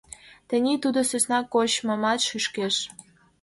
— Тений тудо сӧсна кочмымат шӱшкеш.